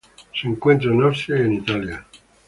Se encuentra en Austria y en Italia.